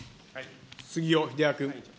杉尾秀哉君。